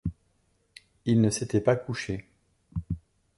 Il ne s’était pas couché.